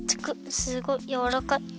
すごいやわらかい。